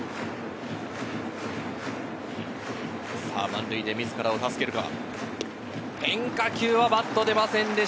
満塁で自らを助けるか？